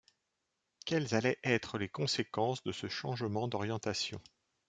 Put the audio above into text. Quelles allaient être les conséquences de ce changement d’orientation?